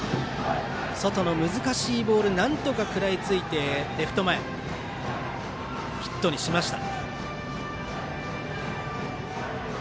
外の難しいボールなんとか、食らいついてレフト前ヒットにしました。